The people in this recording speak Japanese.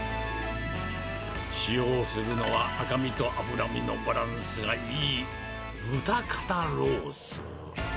使用するのは赤身と脂身のバランスがいい豚肩ロース。